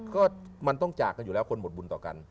ก็มันต้องจากกันอยู่แล้วคนหมดบุญต่อกัน